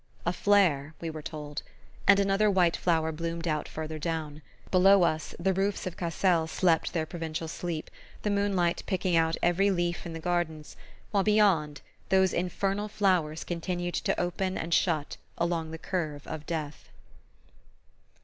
"A flare," we were told; and another white flower bloomed out farther down. Below us, the roofs of Cassel slept their provincial sleep, the moonlight picking out every leaf in the gardens; while beyond, those infernal flowers continued to open and shut along the curve of death.